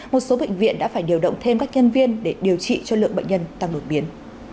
một số bệnh viện đã phải điều động thêm các nhân viên để điều trị cho lượng bệnh nhân tăng đột biến